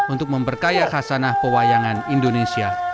untuk memperkaya khasanah pewayangan indonesia